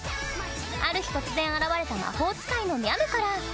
ある日突然現れた魔法使いのみゃむから。